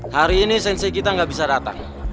hari ini sensei kita gak bisa datang